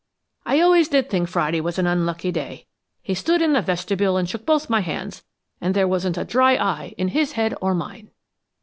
I always did think Friday was an unlucky day! He stood in the vestibule and shook both my hands, and there wasn't a dry eye in his head or mine!